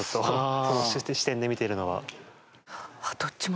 その視点で見ているのは。